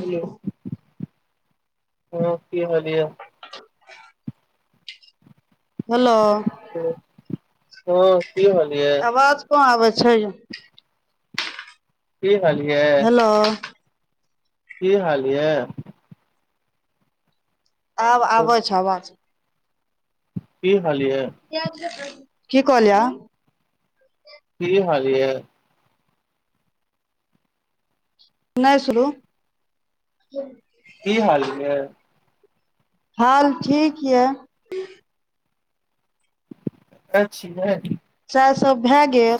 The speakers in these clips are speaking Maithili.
हेलो हाँ की हाल ये [inaudible] हलो हाँ की हाल यै आवाज कम आबै छै की हाल यै हेलो की हाल यै आब आबै की छै आवाज की हाल यै की कहलियै की हाल यै नहि सुुरू की हाल यै हाल ठीक यै कत छिय चाय सब भए गेल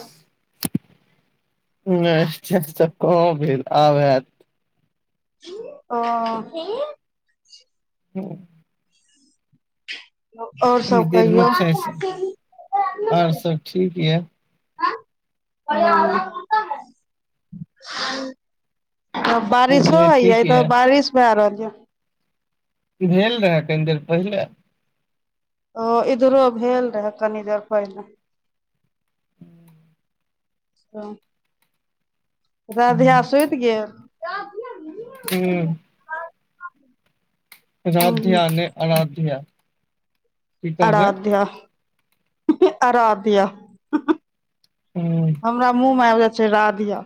नहि चाय सब कहाँ भेल आब हैत ओ [unintelligible] हुँ ओर सब देर मे कहियौ छै सब आर सब ठीक यै [unintelligible] बारिशो होये ठीक एत यै बारिश भै रहल ये भेल रहै कनि देर पहिले ओ इधरो भेल रहे कनी देर पहिने हूं राध्या सुत गेल हूँ हूँ राधिया नै अराध्या की कहबै अराध्या हँह अराध्या हुँह हूं - हमरा मुँह मे आइब जाइ छै राधिया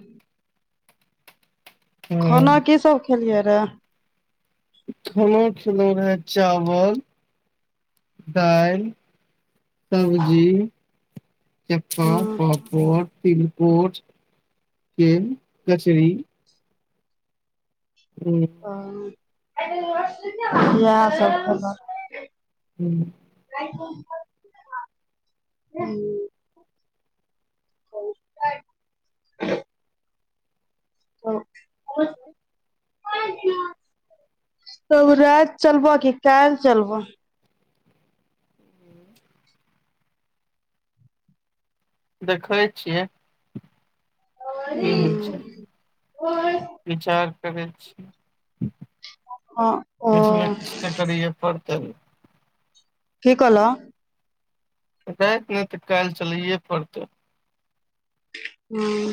हूं खाना की सब खेलियै रेय खाना खेलो रहै चावल दाइल सब्जी चप्पा हूँ पापड़ तिलकोर केे कचरी हूँ ओ [inaudible] [inaudible] इएह सब खैलौ हुँ हुँ ओ तब रात चलबऽ की कालिह चलबऽ देखै छियै की होइ छै विचार करै छियै ह किछ ने ओ किछ तऽ करियए पड़तै की कहलह रात नहि तऽ काल्हि चलैए पड़तै हुँ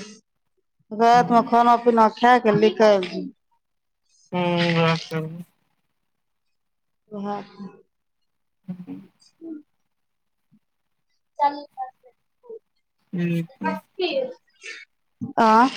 रात मे उम्म खाना पीना खायके निकाल - हूँ उहे करबै उहे [inaudible] [unintelligible] च उम्म [inaudible] आ